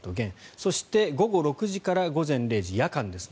そして午後６時から午前０時夜間ですね。